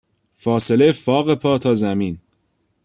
فاصله فاق پا تا زمین.